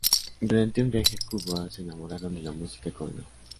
Durante un viaje a Cuba, se enamoraron de la música cubana.